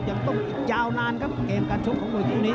ยังต้องอีกยาวนานครับเกมการชกของมวยคู่นี้